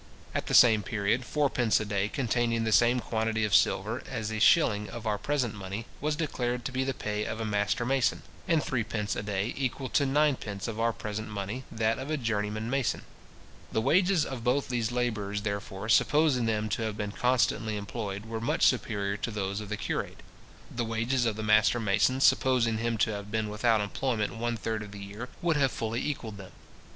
At the same period, fourpence a day, containing the same quantity of silver as a shilling of our present money, was declared to be the pay of a master mason; and threepence a day, equal to ninepence of our present money, that of a journeyman mason. {See the Statute of Labourers, 25, Ed. III.} The wages of both these labourers, therefore, supposing them to have been constantly employed, were much superior to those of the curate. The wages of the master mason, supposing him to have been without employment one third of the year, would have fully equalled them.